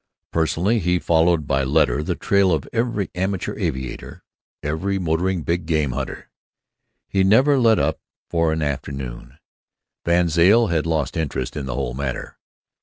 Personally he followed by letter the trail of every amateur aviator, every motoring big game hunter. He never let up for an afternoon. VanZile had lost interest in the whole matter.